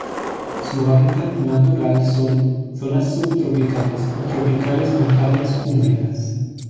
Su hábitat natural son: zonas subtropicales o tropicales montañas húmedas.